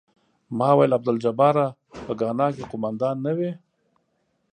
ما ویل عبدالجباره په ګانا کې قوماندان نه وې.